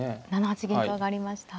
７八銀と上がりました。